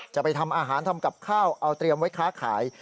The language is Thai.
จะไปทำอาหารทำกับข้าวเอาเตรียมไว้ค้าขาย